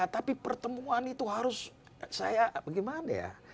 tapi pertemuan itu harus saya bagaimana ya